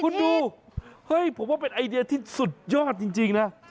คุณดูเฮ้ยผมว่าเป็นไอเดียที่สุดยอดจริงนะ